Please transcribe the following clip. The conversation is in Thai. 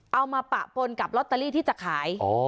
มาปะปนกับลอตเตอรี่ที่จะขาย